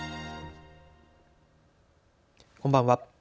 こんばんは。